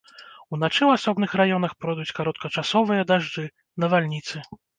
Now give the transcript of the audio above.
Уначы ў асобных раёнах пройдуць кароткачасовыя дажджы, навальніцы.